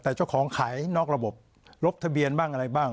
แต่เจ้าของขายนอกระบบลบทะเบียนบ้างอะไรบ้าง